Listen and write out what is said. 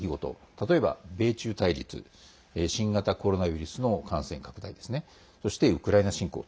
例えば米中対立新型コロナウイルスの感染拡大そして、ウクライナ侵攻。